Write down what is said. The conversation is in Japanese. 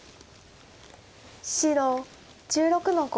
白１６の五。